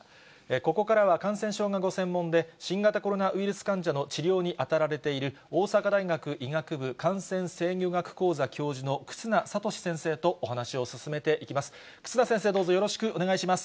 ここからは感染症がご専門で、新型コロナウイルス患者の治療に当たられている、大阪大学医学部感染制御学講座教授の忽那賢志先生とお話を進めていきます。